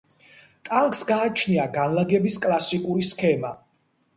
ტანკს გააჩნია განლაგების კლასიკური სქემა.